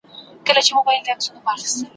وئېل ئې څو کم سنه دي، لۀ قافه را روان دي `